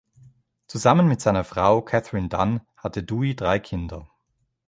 Zusammen mit seiner Frau Catherine Dunn hatte Dewey drei Kinder.